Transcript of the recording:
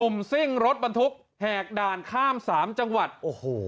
ซิ่งรถบรรทุกแหกด่านข้ามสามจังหวัดโอ้โห